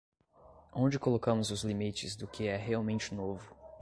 Onde colocamos os limites do que é realmente novo?